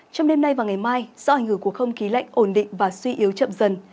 trong đêm nay và ngày mai do ảnh hưởng của không khí lạnh ổn định và suy yếu chậm dần